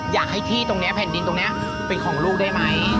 อยากให้ที่ตรงนี้แผ่นดินตรงนี้เป็นของลูกได้ไหม